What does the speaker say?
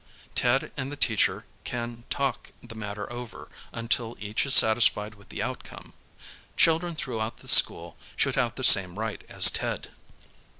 Ted and the teacher can talk the matter over until each is satisfied with the outcome. Children throughout the school should have the same right as Ted.